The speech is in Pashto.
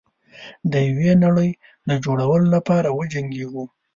د یوې نړۍ د جوړولو لپاره وجنګیږو.